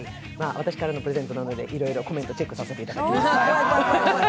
私からのプレゼントなのでいろいろコメントチェックさせていただきます。